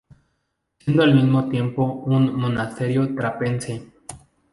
Siendo al mismo tiempo un Monasterio Trapense.